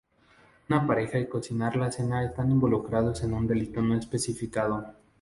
Una pareja y cocinar la cena están involucrados en un delito no especificado.